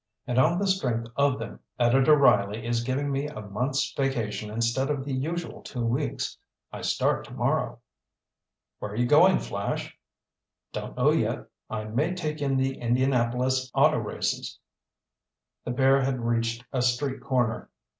And on the strength of them, Editor Riley is giving me a month's vacation instead of the usual two weeks. I start tomorrow." "Where are you going, Flash?" "Don't know yet. I may take in the Indianapolis auto races." The pair had reached a street corner.